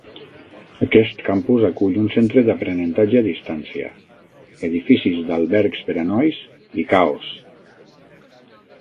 Aquest campus acull un centre d'aprenentatge a distància, edificis d'albergs per a nois i caos.